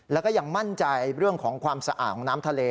แล้วก็ยังมั่นใจเรื่องของความสะอาดของน้ำทะเล